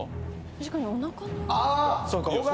「確かにおなかの上って」